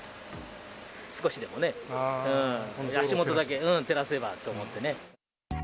少しでもね、足元だけ照らせればと思ってね。